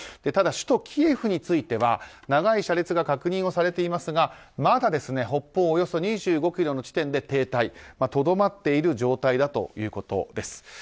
ただ首都キエフについては長い車列が確認されていますがまだ北方およそ２５ｋｍの地点で停滞とどまっている状態だということです。